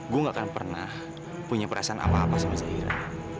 saya tidak akan pernah punya perasaan apa apa sama zahira